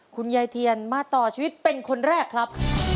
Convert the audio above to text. คุณยายเทียนมาต่อชีวิตเป็นคนแรกครับ